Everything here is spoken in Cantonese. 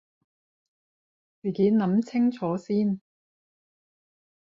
自己諗清楚先